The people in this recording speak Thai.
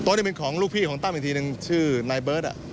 นี่เป็นของลูกพี่ของตั้มอีกทีหนึ่งชื่อนายเบิร์ต